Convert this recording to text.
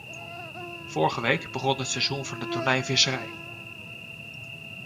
Vorige week begon het seizoen van de tonijnvisserij.